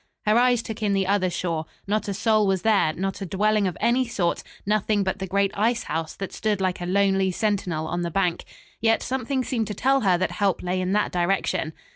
Her eyes took in the other shore. Not a soul was there, not a dwelling of any sort; nothing but the great ice house that stood like a lonely sentinel on the bank. Yet something seemed to tell her that help lay in that direction.